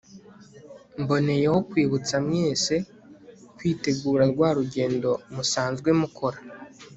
mboneyeho kwibutsa mwese kwitegura rwa rugendo musanzwe mukora